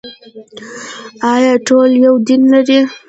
آیا ټول یو دین لري؟